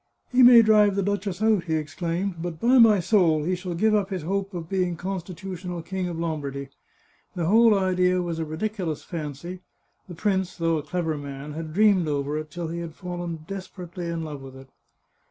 " He may drive the duchess out," he exclaimed, " but, by my soul ! he shall give up his hope of being con stitutional King of Lombardy." The whole idea was a ridiculous fancy; the prince, though a clever man, had dreamed over it till he had fallen desperately in love with it.